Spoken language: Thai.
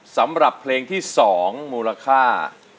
สำหรับเพลงที่๒มูลค่า